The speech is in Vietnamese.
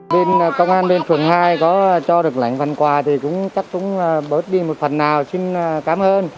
bên công an bên phường hai có cho được lãnh phần quà thì cũng chắc cũng bớt đi một phần nào xin cảm ơn